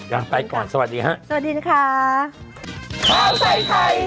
ยังไปก่อนสวัสดีค่ะ